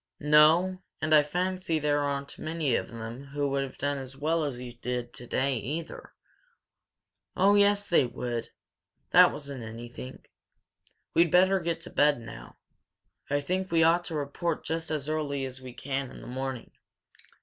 "No, and I fancy there aren't many of them who would have done as well as you did today, either!" "Oh yes, they would! That wasn't anything. We'd better get to bed now. I think we ought to report just as early as we can in the morning.